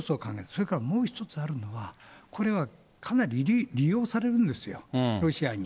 それからもう一つあるのは、これはかなり利用されるんですよ、ロシアに。